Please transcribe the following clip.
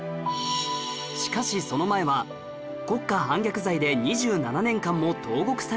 しかしその前は国家反逆罪で２７年間も投獄されていたのです